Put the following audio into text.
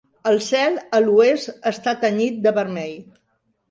El cel a l'oest està tenyit de vermell.